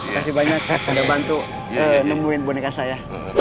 makasih banyak udah bantu nungguin boneka saya